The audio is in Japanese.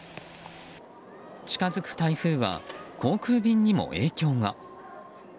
近づく台風は航空便にも影響が。